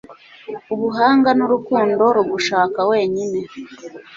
Ubuhanga nurukundo rugushaka wenyine